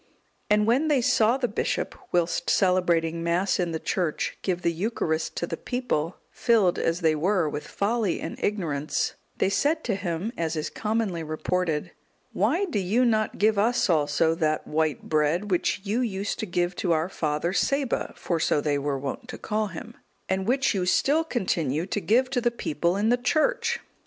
And when they saw the bishop, whilst celebrating Mass in the church, give the Eucharist to the people, filled, as they were, with folly and ignorance, they said to him, as is commonly reported, "Why do you not give us also that white bread, which you used to give to our father Saba (for so they were wont to call him), and which you still continue to give to the people in the church?"